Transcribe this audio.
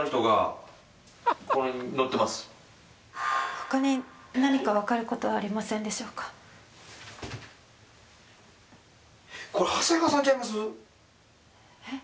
他に何か分かることはありませんでしょうかえっ？